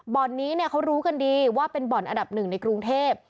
นี้เขารู้กันดีว่าเป็นบ่อนอันดับหนึ่งในกรุงเทพ